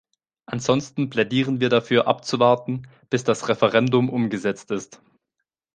Ansonsten plädieren wir dafür abzuwarten, bis das Referendum umgesetzt ist.